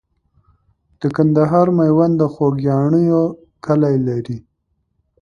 د کندهار میوند د خوګیاڼیو کلی لري.